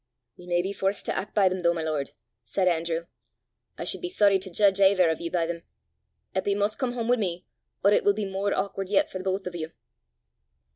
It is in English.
"We may be forced to act by them, though, my lord!" said Andrew. "I should be sorry to judge aither of you by them. Eppy must come home with me, or it will be more awkward yet for both of you!"